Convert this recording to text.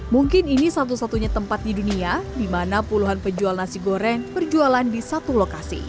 mungkin ini satu satunya tempat di dunia di mana puluhan penjual nasi goreng berjualan di satu lokasi